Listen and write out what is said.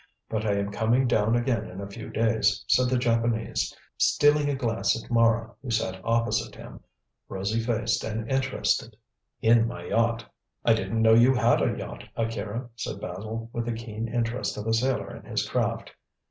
"But I am coming down again in a few days," said the Japanese, stealing a glance at Mara, who sat opposite to him, rosy faced and interested, "in my yacht." "I didn't know you had a yacht, Akira," said Basil, with the keen interest of a sailor in his craft.